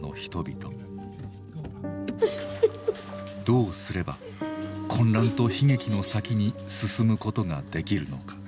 どうすれば混乱と悲劇の先に進むことができるのか。